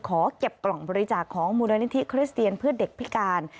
ขอเก็บกล่องบริจาคของมูลนิธิคริสเตียนเพื่อเด็กพิการ